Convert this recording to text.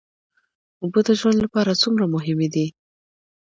اوبه د ژوند لپاره څومره مهمې دي